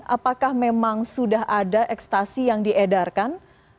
apakah memang sudah ada ekstasi yang diedarkan